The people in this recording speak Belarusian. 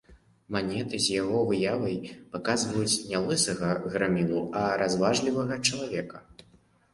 Манеты з яго выявай паказваюць не лысага грамілу, а разважлівага чалавека.